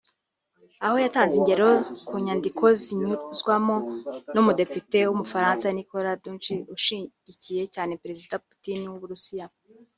Aho yatanze ingero ku nyandiko zinyuzwamo n’umudepite UmufaransaNicolas Dhuicq ushyigikiye cyane Perezida Putin w’u Burusiya